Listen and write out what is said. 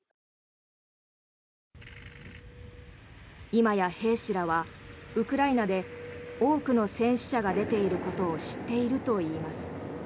今や兵士らはウクライナで多くの戦死者が出ていることを知っているといいます。